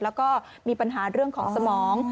แล้วก็มีปัญหาเรื่องของสมอง